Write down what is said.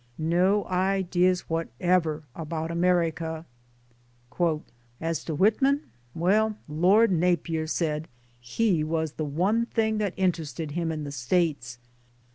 No ideas what ever about America. " As to Whitman, well, Lord Napier said He was the one thing that interested him in the States.